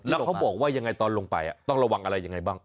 แล้วเขาบอกว่ายังไงตอนลงไปต้องระวังอะไรยังไงบ้าง